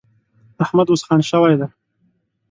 احمد اوس خان شوی دی.